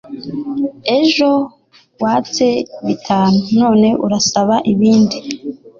Ejo watse bitanu none urasaba ibindi